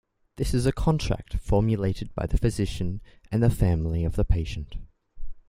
This is a contract formulated by the physician and the family of the patient.